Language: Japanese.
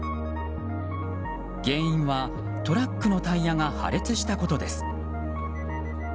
原因はトラックのタイヤが破裂したことです。